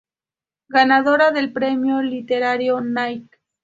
Ganadora del Premio Literario Nike.